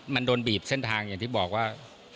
มันโดนบีบเส้นทางอย่างที่บอกว่า